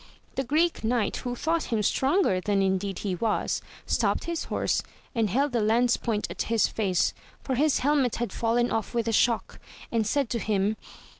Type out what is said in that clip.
The Greek Knight who thought him stronger than indeed he was, stopt his horse, and held the lance point at his face, for his helmet had fallen off with the shock, and said to him.